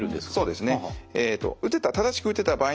そうですね。